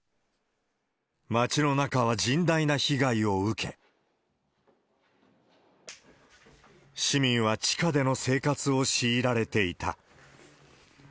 町の中は甚大な被害を受け、市民は地下での生活を強いられていた。